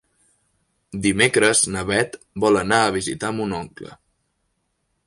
Dimecres na Beth vol anar a visitar mon oncle.